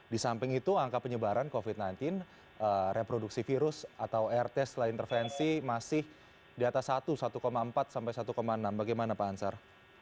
di samping itu angka penyebaran covid sembilan belas reproduksi virus atau rt setelah intervensi masih di atas satu satu empat sampai satu enam bagaimana pak ansar